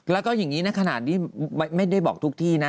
แล้วก็อย่างนี้นะขนาดนี้ไม่ได้บอกทุกที่นะ